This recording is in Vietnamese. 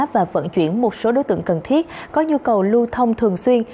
và vận chuyển một số đối tượng cần thiết có nhu cầu lưu thông thường xuyên